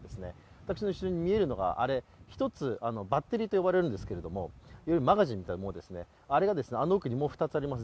私の後ろに見えるのがあれ一つ、バッテリーと呼ばれるんですがマガジンというものですね、あれが奥にもう２つあります。